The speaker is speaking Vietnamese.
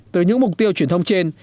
từ những mục tiêu truyền thông trên